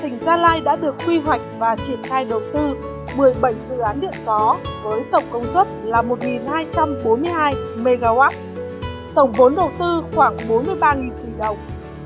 tỉnh gia lai đã được quy hoạch và triển khai đầu tư một mươi bảy dự án điện gió với tổng công suất là một hai trăm bốn mươi hai mw tổng vốn đầu tư khoảng bốn mươi ba tỷ đồng